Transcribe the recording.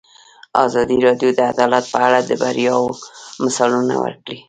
ازادي راډیو د عدالت په اړه د بریاوو مثالونه ورکړي.